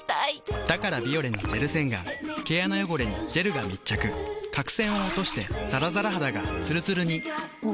だから「ビオレ」のジェル洗顔毛穴汚れにジェルが密着角栓を落としてザラザラ肌がつるつるにおっ。